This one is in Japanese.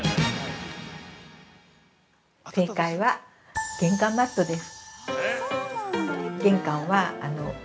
◆正解は玄関マットです。